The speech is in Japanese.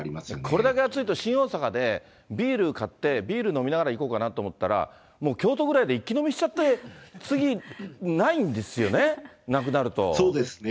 これだけ暑いと、新大阪でビール買って、ビール飲みながら行こうかなと思ったら、もう京都ぐらいで一気飲みしちゃって、そうですね。